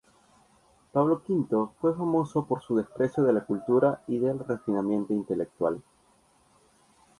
Pablo V fue famoso por su desprecio de la cultura y del refinamiento intelectual.